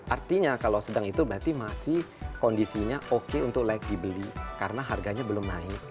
artinya kalau sedang itu berarti masih kondisinya oke untuk like dibeli karena harganya belum naik